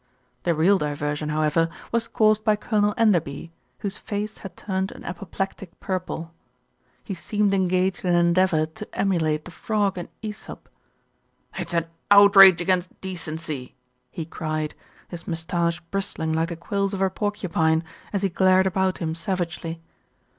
The real diversion, however, was caused by Colonel Enderby, whose face had turned an apoplectic purple. He seemed engaged in an endeavour to emulate the frog in ^sop. "It's an outrage against decency!" he cried, his moustache bristling like the quills of a porcupine, as he glared about him savagely.